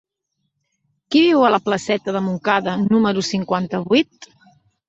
Qui viu a la placeta de Montcada número cinquanta-vuit?